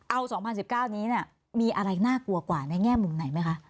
เอา๒๐๑๙นี้มีอะไรน่ากลัวกว่าในแง่มุมไหนไหมคะ